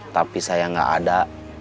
tapi saya gak ada